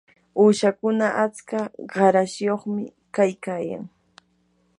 uushakuna atska qarashyuqmi kaykayan.